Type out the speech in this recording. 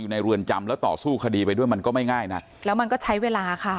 ในเรือนจำแล้วต่อสู้คดีไปด้วยมันก็ไม่ง่ายนะแล้วมันก็ใช้เวลาค่ะ